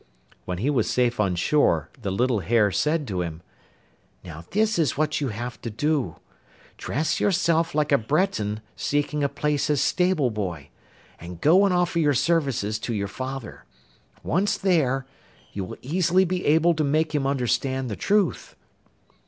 When he was safe on shore the little hare said to him: 'Now this is what you have to do: dress yourself like a Breton seeking a place as stable boy, and go and offer your services to your father. Once there, you will easily be able to make him understand the truth.